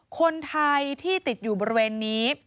คนไทยที่ติดอยู่บริเวณนี้